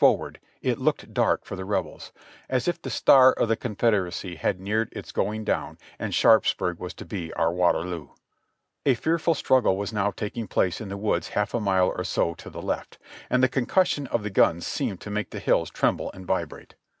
THE battle; of sharpsburg 295 forward it looked dark for the Rebels, as if the star of the Con federacy had neared its going down and Sharpsburg was to be our Waterloo. A fearful struggle was now taking place in the woods half a mile or so to the left, and the concussion of the guns seemed to make the hills tremble and vibrate.